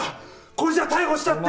これじゃ逮捕したって。